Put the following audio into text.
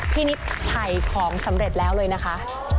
นิดถ่ายของสำเร็จแล้วเลยนะคะ